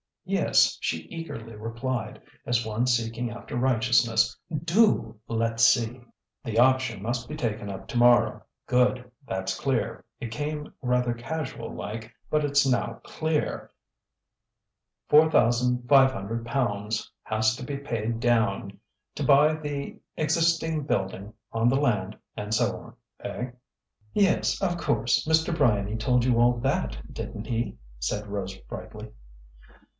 "Yes," she eagerly replied, as one seeking after righteousness, "do let's see." "The option must be taken up to morrow. Good! That's clear. It came rather casual like, but it's now clear. £4,500 has to be paid down to buy the existing building on the land and so on.... Eh?" "Yes. Of course Mr. Bryany told you all that, didn't he?" said Rose brightly.